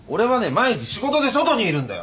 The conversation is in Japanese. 毎日仕事で外にいるんだよ。